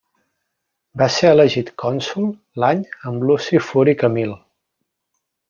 Va ser elegit cònsol l'any amb Luci Furi Camil.